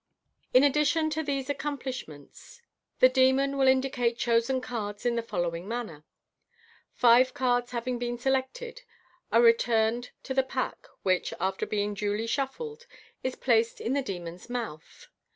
In addition to these accomplish ments, the demon will indicate chosen cards in the following manners Five cards having been selected, are returned to the pack, which; after being duly shuffled, is placed in the demon's mouth.